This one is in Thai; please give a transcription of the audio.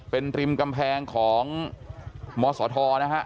เป็นริมกำแพงของมศทนะฮะ